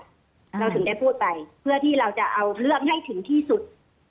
เราถึงได้พูดไปเพื่อที่เราจะเอาเรื่องให้ถึงที่สุด